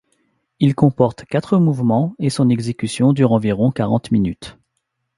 Il comporte quatre mouvements et son exécution dure environ quarante minutes.